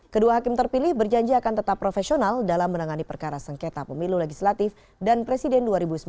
kedua hakim terpilih berjanji akan tetap profesional dalam menangani perkara sengketa pemilu legislatif dan presiden dua ribu sembilan belas